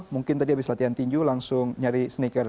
mungkin tadi habis latihan tinju langsung nyari sneaker